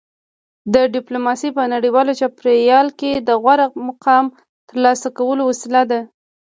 دا ډیپلوماسي په نړیوال چاپیریال کې د غوره مقام ترلاسه کولو وسیله ده